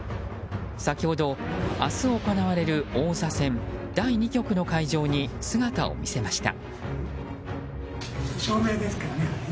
先ほど、明日行われる王座戦第２局の会場に姿を見せました。